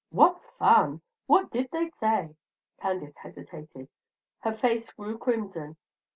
"What fun! What did they say?" Candace hesitated. Her face grew crimson.